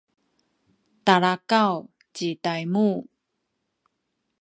talakaw ci Taymu